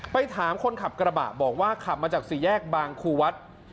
ถามคนขับกระบะบอกว่าขับมาจากสี่แยกบางครูวัด